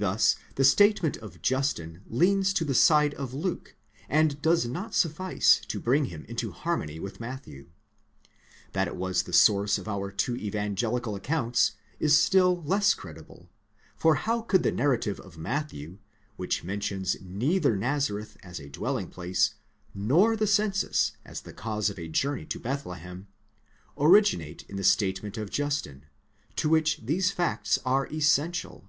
Thus the statement of Justin leans to the side of Luke and does not suffice to bring him into harmony with Matthew. That it was the source of our two evangelical accounts is still less credible ; for how could the narrative of Matthew, which mentions neither Nazareth as a dwelling place, nor the census as the cause of a journey to Bethlehem, originate in the statement of Justin, to which these facts are essential?